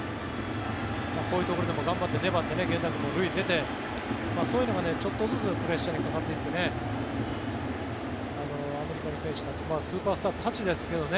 こういうところでも頑張って粘って源田君も塁に出てそういうところが少しずつプレッシャーがかかってアメリカの選手たちスーパースターたちですけどね